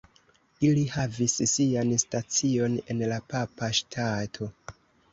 Ili havis sian stacion en la Papa Ŝtato.